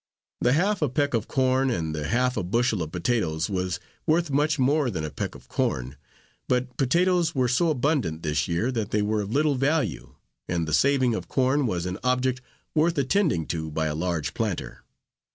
The half a peck of corn and the half a bushel of potatoes was worth much more than a peck of corn; but potatoes were so abundant this year, that they were of little value, and the saving of corn was an object worth attending to by a large planter.